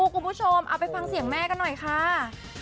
คุณผู้ชมเอาไปฟังเสียงแม่กันหน่อยค่ะ